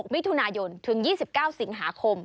มิถุนายนถึง๒๙สิงหาคม